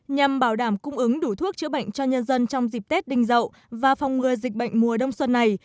nhằm bảo đảm cung ứng đủ thuốc chữa bệnh cho nhân dân trong dịp tết đinh dậu và phòng ngừa dịch bệnh mùa đông xuân này